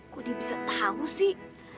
kok dia bisa tahu sih